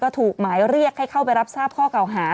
ถูกหมายเรียกให้เข้าไปรับทราบข้อเก่าหา